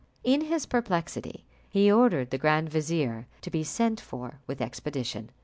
In his perplexity he ordered the grand vizier to be sent for with expedition.